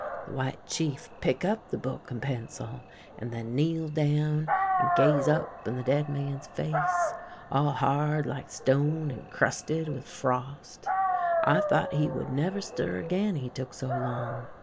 The White Chief pick up the book and pencil, and then kneel down and gaze up in the dead man's face, all hard like stone and crusted with frost. I thought he would never stir again, he look so long.